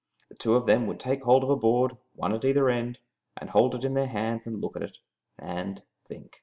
The two of them would take hold of a board, one at either end, and hold it in their hands, and look at it, and think.